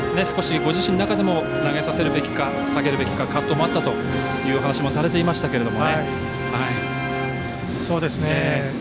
少しご自身の中でも投げさせるべきか下げるべきかという葛藤もあったという話もされていましたけどもね。